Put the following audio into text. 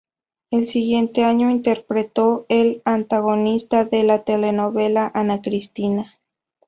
El siguiente año interpretó al antagonista de la telenovela "Ana Cristina".